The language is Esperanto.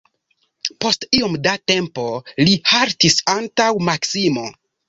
Post iom da tempo li haltis antaŭ Maksimo.